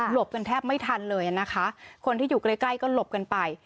กันแทบไม่ทันเลยนะคะคนที่อยู่ใกล้ใกล้ก็หลบกันไป